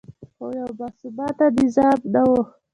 خو یو باثباته نظام نه و